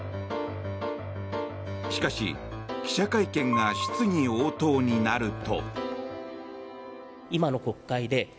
しかし、記者会見が質疑応答になると。